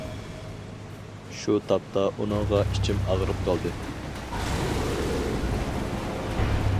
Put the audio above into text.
شۇ تاپتا ئۇنىڭغا ئىچىم ئاغرىپ قالدى.